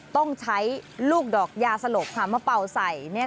ต้องใช้ลูกดอกยาสลบมาเป่าใส่